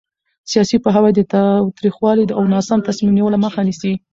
سیاسي پوهاوی د تاوتریخوالي او ناسم تصمیم نیولو مخه نیسي